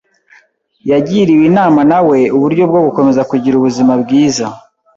Yagiriwe inama na we uburyo bwo gukomeza kugira ubuzima bwiza.